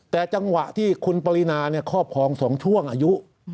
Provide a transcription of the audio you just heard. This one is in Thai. แต่จังหวะที่คุณปรินาครอบครอง๒ช่วงอายุ